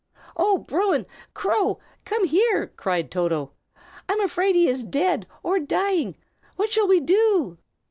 "Oh, Bruin! Crow! come here!" cried Toto. "I am afraid he is dead, or dying. What shall we do?"